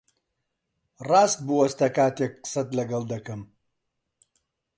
ڕاست بوەستە کاتێک قسەت لەگەڵ دەکەم!